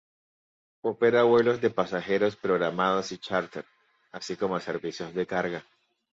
Opera vuelos de pasajeros programados y charter, así como servicios de carga.